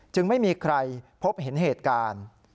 ไม่มีใครพบเห็นเหตุการณ์